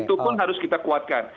itu pun harus kita kuatkan